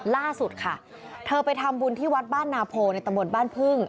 ล่าสุดค่ะเธอไปทำบุญที่วัดบ้านนาโพในตำบลบ้านพึ่ง